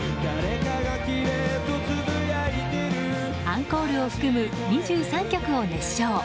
アンコールを含む２３曲を熱唱。